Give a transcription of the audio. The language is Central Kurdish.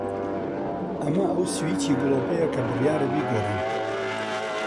ئەمە ئەو سویچی گڵۆپەیە کە بڕیارە بیگۆڕین.